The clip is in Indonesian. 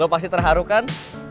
lo pasti terharu kan